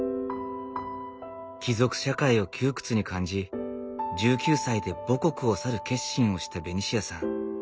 貴族社会を窮屈に感じ１９歳で母国を去る決心をしたベニシアさん。